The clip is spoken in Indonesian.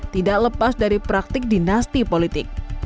tidak lepas dari praktik dinasti politik